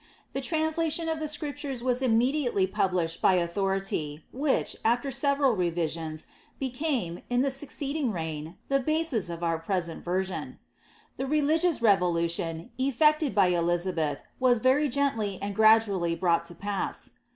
.4 traiislatiun of the Scriptures was immediaiely pub lished by authority, whirh, afler several revisions, became, in the suc ceeding reien, the bonis of our prexenl version. The reIi)ri<>UN revolution, effected by Elizabeth wan very gently and grailuully broijirht to pax*.